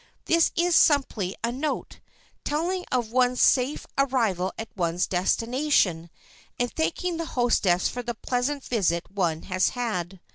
This is simply a note, telling of one's safe arrival at one's destination, and thanking the hostess for the pleasant visit one has had.